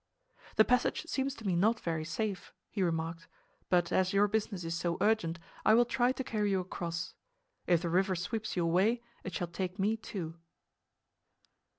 "The passage seems to me not very safe," he remarked, "but as your business is so urgent I will try to carry you across. If the river sweeps you away it shall take me, too."